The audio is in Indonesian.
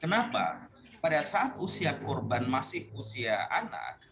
kenapa pada saat usia korban masih usia anak